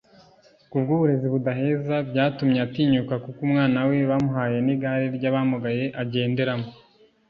Ku bw’uburezi budaheza byatumye atinyuka kuko umwana we bamuhaye n’igare ry’abamugaye agenderamo